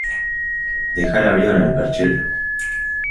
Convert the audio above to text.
Deja el abrigo en el perchero.